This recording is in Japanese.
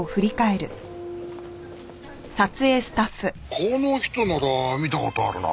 この人なら見た事あるな。